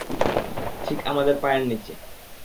ঠিক আমাদের পায়ের নিচে।